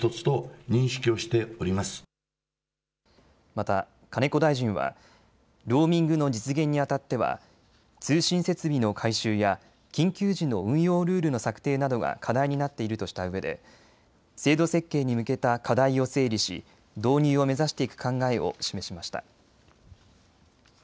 また金子大臣はローミングの実現にあたっては通信設備の改修や緊急時の運用ルールの策定などが課題になっているとしたうえで制度設計に向けた課題を整理し導入を目指していく考えを示しました。